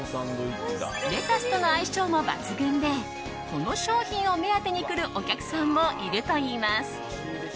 レタスとの相性も抜群でこの商品を目当てに来るお客さんもいるといいます。